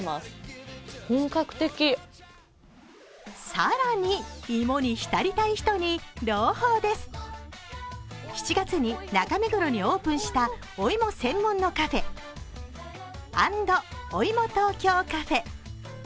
更に、芋に浸りたい人に朗報です７月に中目黒にオープンしたお芋専門のカフェ、＆ＯＩＭＯＴＯＫＹＯＣＡＦＥ。